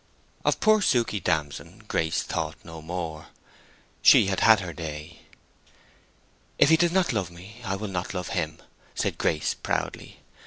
Of poor Suke Damson, Grace thought no more. She had had her day. "If he does not love me I will not love him!" said Grace, proudly.